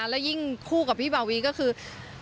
แล้วยิ่งคู่กับพี่บาวีก็คือ